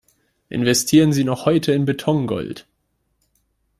Investieren Sie noch heute in Betongold!